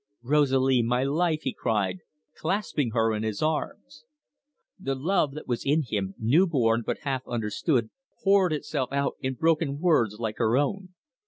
"Rosalie, my life!" he cried, clasping her in his arms. The love that was in him, new born and but half understood, poured itself out in broken words like her own.